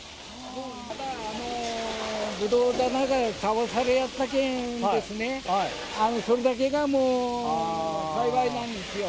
ただ、あのブドウ棚が倒されやったけん、それだけがもう、幸いなんですよ。